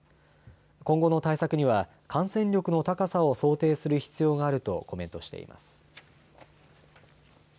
今後の対策には感染力の高さを想定する必要があるとコメントしています。